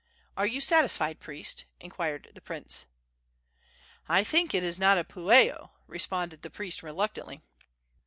"Are you satisfied, priest?" inquired the prince. "I think it is not a pueo," responded the priest, reluctantly.